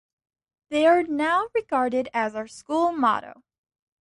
They are now regarded as our school motto.